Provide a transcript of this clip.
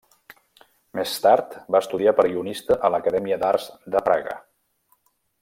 Més tard va estudiar per guionista a l’Acadèmia d'Arts de Praga.